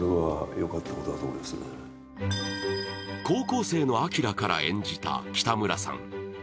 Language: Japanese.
高校生の旭から演じた北村さん。